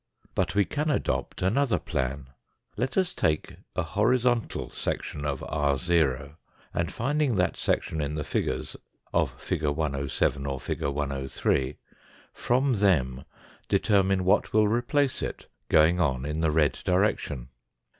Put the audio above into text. But we can adopt another plan. Let us take a hori zontal section of ro, and finding that section in the figures, of fig. 107 or fig. 103, from them determine what will replace it, going on in the red direction.